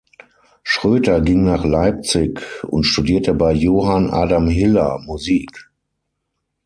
Schroeter ging nach Leipzig und studierte bei Johann Adam Hiller Musik.